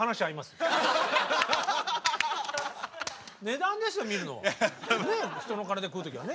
値段ですよ見るのは。